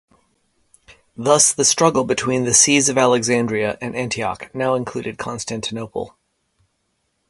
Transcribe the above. Thus, the struggle between the sees of Alexandria and Antioch now included Constantinople.